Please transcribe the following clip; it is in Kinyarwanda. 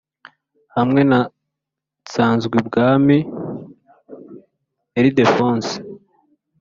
hamwe na nsanzwibwami ildephonse